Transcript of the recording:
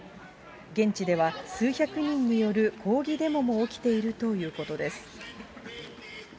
現地では、数百人による抗議デモも起きているということです。